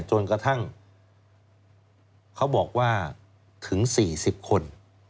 จนกระทั่งเขาบอกว่าถึง๔๐คน